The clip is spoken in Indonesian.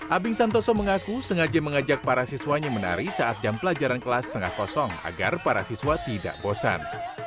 abing santoso mengaku sengaja mengajak para siswanya menari saat jam pelajaran kelas tengah kosong agar para siswa tidak bosan